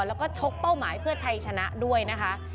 แล้วก็ชกเป้าหมายเพื่อชัยชนะด้วยนะคะ